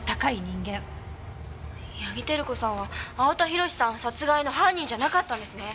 八木照子さんは青田宏志さん殺害の犯人じゃなかったんですね。